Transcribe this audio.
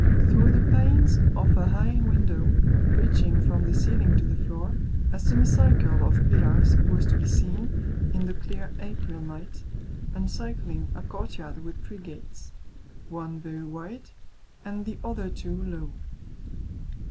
Through the panes of a high window, reaching from the ceiling to the floor, a semicircle of pillars was to be seen, in the clear April night, encircling a courtyard with three gates, one very wide, and the other two low.